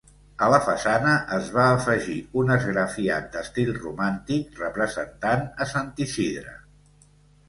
A la façana es va afegir un esgrafiat d'estil romàntic representant a Sant Isidre.